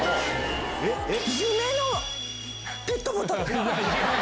夢のペットボトル。